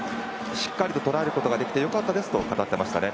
しっかりと捉えることができてよかったですと語っていましたね。